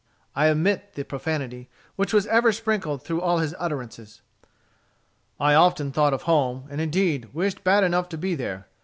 I omit the profanity, which was ever sprinkled through all his utterances: "I often thought of home, and, indeed, wished bad enough to be there.